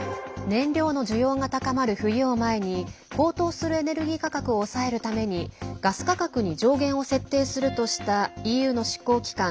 燃料の需要が高まる冬を前に高騰するエネルギー価格を抑えるためにガス価格に上限を設定するとしたＥＵの執行機関